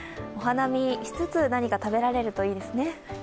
お花見しつつ何か食べられるといいですね。